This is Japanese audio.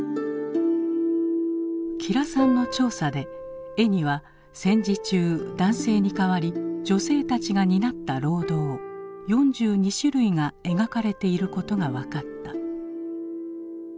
吉良さんの調査で絵には戦時中男性に代わり女性たちが担った労働４２種類が描かれていることが分かった。